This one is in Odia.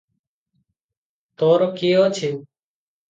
ତୋର କିଏ ଅଛି?